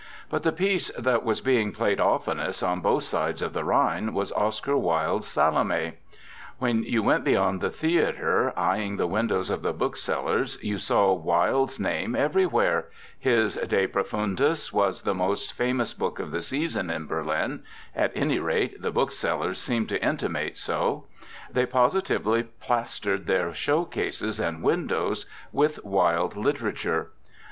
But the piece that was being played oftenest, on both sides of the Rhine, was Oscar Wilde's "Salome." When you went beyond the theatre, ey ing the windows of the booksellers, you saw Wilde's name everywhere, his "De Profundis" was the most famous book of the season in Berlin; at any rate, the booksellers seemed to intimate so; they positively plastered their showcases and windows with Wilde literature.